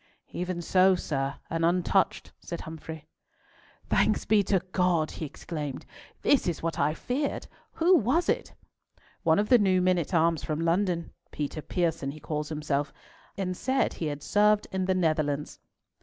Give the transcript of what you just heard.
"Even so, sir, and untouched," said Humfrey. "Thanks be to God!" he exclaimed. "This is what I feared. Who was it?" "One of the new men at arms from London—Peter Pierson he called himself, and said he had served in the Netherlands."